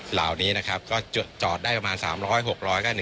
เหล่านี้นะครับก็จอดได้ประมาณ๓๐๐๖๐๐ก็